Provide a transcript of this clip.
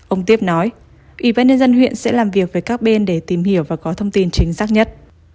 ông tiếp nói ủy ban nhân dân huyện sẽ làm việc với các bên để tìm hiểu và có thông tin chính xác nhất